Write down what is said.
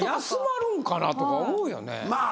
休まるのかなとか思うよね。